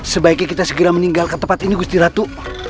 sebaiknya kita segera meninggal ke tempat ini gusti ratu